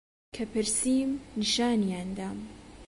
کە پرسیم نیشانیان دام